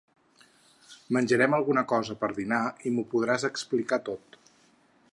Menjarem alguna cosa per dinar i m'ho podràs explicar tot.